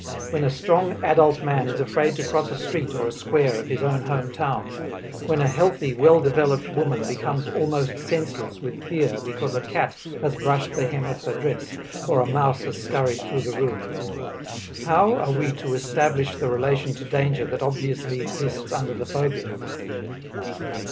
When a strong, adult man is afraid to cross a street or a square of his own home town, when a healthy, well developed woman becomes almost senseless with fear because a cat has brushed the hem of her dress or a mouse has scurried through the room how are we to establish the relation to danger that obviously exists under the phobia?